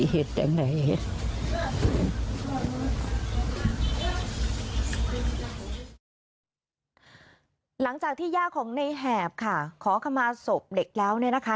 หลังจากที่ย่าของในแหบค่ะขอขมาศพเด็กแล้วนะคะ